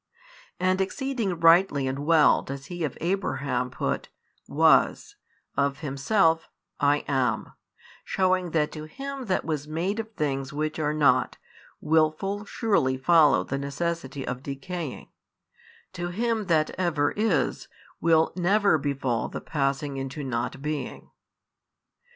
And exceeding rightly and well does He of Abraham put, Was, of Himself, I am, shewing that to him that was made of things which are not, will full surely follow the necessity of decaying, to Him That ever is will never befall the passing into not being.